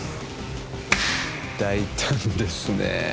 大胆ですね